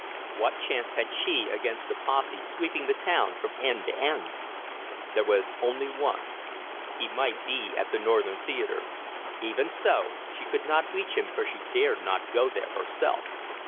What chance had she against the posse sweeping the town from end to end? There was only one; he might be at the Northern Theatre. Even so, she could not reach him, for she dared not go there herself.